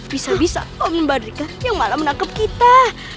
bisa bisa om badrika yang malah menangkap kita